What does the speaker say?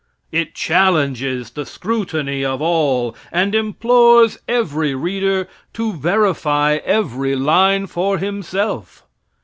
It challenges the scrutiny of all, and implores every reader to verify every line for himself.